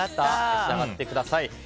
召し上がってください。